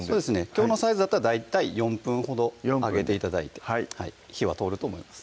きょうのサイズだったら大体４分ほど揚げて頂いて火は通ると思います